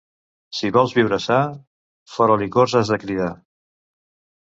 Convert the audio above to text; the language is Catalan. Si vols viure sa, fora licors has de cridar.